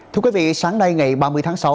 thưa quý vị sáng nay ngày ba mươi tháng sáu